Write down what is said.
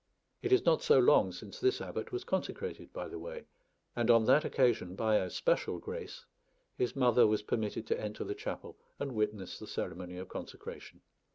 It is not so long since this Abbot was consecrated, by the way; and on that occasion, by a special grace, his mother was permitted to enter the chapel and witness the ceremony of consecration.